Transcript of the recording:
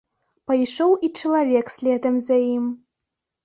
Пайшоў і чалавек следам за ім.